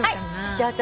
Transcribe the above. じゃあ私